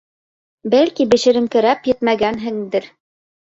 Бәлки бешереңкерәп еткермәгәнһеңдер...